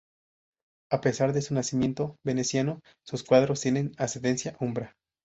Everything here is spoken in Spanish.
A pesar de su nacimiento veneciano, sus cuadros tienen ascendencia umbra.